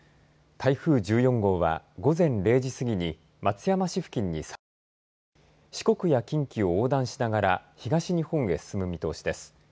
台風１４号は午前０時すぎに松山市付近に再上陸し四国や近畿を横断しながら東日本へ進む見通しです。